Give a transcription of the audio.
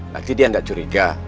lagi dia enggak curiga